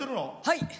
はい。